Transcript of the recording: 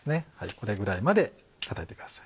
これぐらいまでたたいてください。